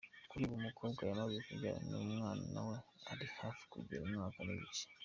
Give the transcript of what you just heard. Kuri ubu, umukobwa yamaze kubyara n’umwana we ari hafi kugira umwaka n’igice.